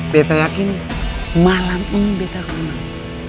betta yakin malam ini betta akan menang